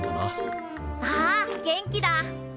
ああ元気だ。